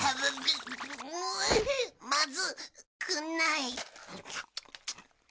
ううまずくない。